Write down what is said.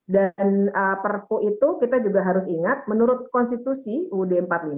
dan perpu itu kita juga harus ingat menurut konstitusi ud empat puluh lima